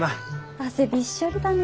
汗びっしょりだね。